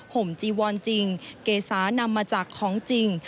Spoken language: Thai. ห่มจีวอนจริงเกษานำมาจากของจริง